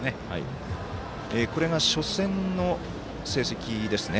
これが初戦の成績ですね。